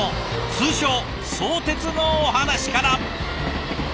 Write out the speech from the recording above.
通称相鉄のお話から。